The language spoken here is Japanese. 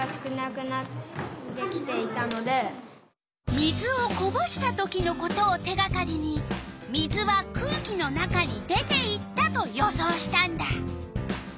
水をこぼした時のことを手がかりに水は空気の中に出ていったと予想したんだ。